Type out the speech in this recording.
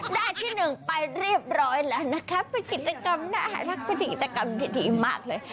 ได้ที่หนึ่งไปเรียบร้อยแล้วนะคะเป็นกิจกรรมน่ารักเป็นกิจกรรมที่ดีมากเลย